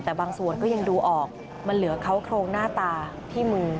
แต่บางส่วนก็ยังดูออกมันเหลือเขาโครงหน้าตาที่มือ